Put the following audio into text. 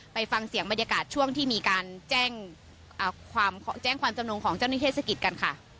ไปฟังเสียงบรรยากาศช่วงที่มีการแจ้งความจำนงของเจ้าหน้าที่เทศกิจกันค่ะ